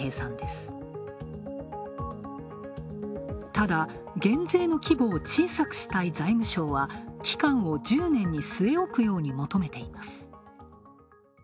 ただ、減税の規模を小さくしたい財務省は期間を１０年に据え置くように求めています。